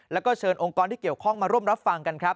แล้วก็เชิญองค์กรที่เกี่ยวข้องมาร่วมรับฟังกันครับ